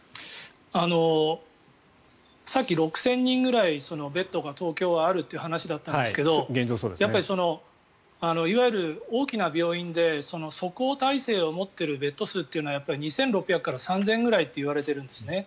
さっき６０００人ぐらいベッドが東京はあるっていう話だったんですがやっぱりいわゆる大きな病院で即応態勢を持っているベッド数というのは２６００から３０００ぐらいといわれているんですね。